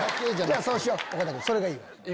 そうしよう岡田君それがいいわ。